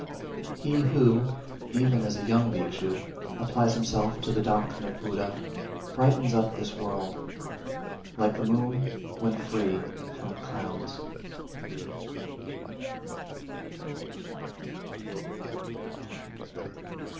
382. He who, even as a young Bhikshu, applies himself to the doctrine of Buddha, brightens up this world, like the moon when free from clouds.